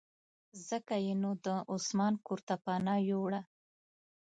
ځکه یې نو د عثمان کورته پناه یووړه.